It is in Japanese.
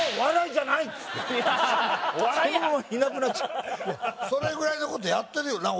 お前お笑いやそのままいなくなっちゃうそれぐらいのことやってるよな